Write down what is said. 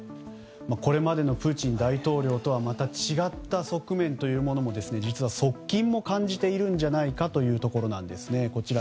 これまでのプーチン大統領とはまた違った側面も実は側近も感じているんじゃないかというところなんです。